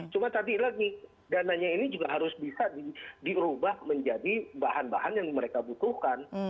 cuma tadi lagi dananya ini juga harus bisa dirubah menjadi bahan bahan yang mereka butuhkan